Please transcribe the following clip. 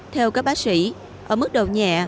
theo các bác sĩ ở mức độ nhẹ